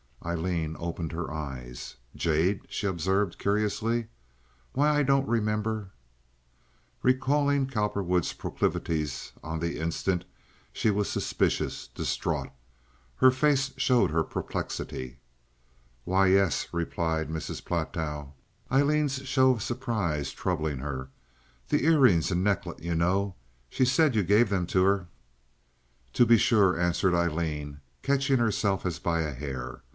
Aileen opened her eyes. "Jade!" she observed, curiously. "Why, I don't remember." Recalling Cowperwood's proclivities on the instant, she was suspicious, distraught. Her face showed her perplexity. "Why, yes," replied Mrs. Platow, Aileen's show of surprise troubling her. "The ear rings and necklet, you know. She said you gave them to her." "To be sure," answered Aileen, catching herself as by a hair.